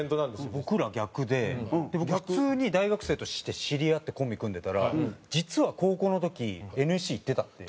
僕ら逆で普通に大学生として知り合ってコンビ組んでたら実は高校の時ＮＳＣ行ってたっていう。